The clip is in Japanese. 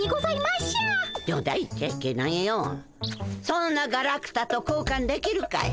そんなガラクタと交換できるかい。